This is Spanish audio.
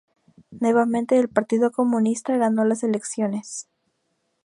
Nuevamente el Partido Comunista ganó las elecciones.